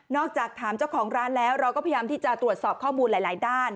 จากถามเจ้าของร้านแล้วเราก็พยายามที่จะตรวจสอบข้อมูลหลายด้าน